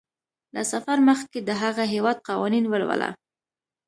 له سفر مخکې د هغه هیواد قوانین ولوله.